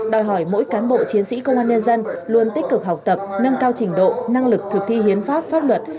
đòi hỏi mỗi cán bộ chiến sĩ công an nhân dân luôn tích cực học tập nâng cao trình độ năng lực thực thi hiến pháp pháp luật